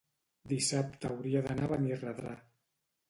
Dissabte hauria d'anar a Benirredrà.